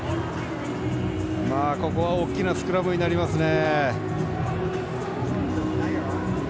ここは大きなスクラムになりますね。